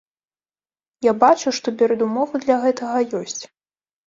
Я бачу, што перадумовы для гэтага ёсць.